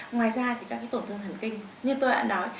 ngoài ra thì các cái tổn thương thần kinh như tôi đã nói